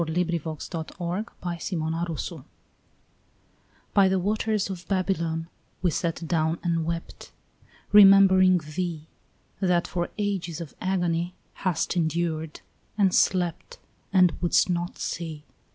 SUPER FLUMINA BABYLONIS BY the waters of Babylon we sat down and wept, Remembering thee, That for ages of agony hast endured, and slept, And wouldst not see.